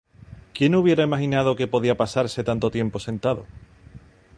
¿Quién hubiera imaginado que podía pasarse tanto tiempo sentado?